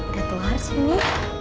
ketua harus ini